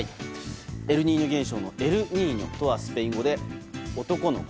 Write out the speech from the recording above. エルニーニョ現象のエルニーニョとはスペイン語で男の子。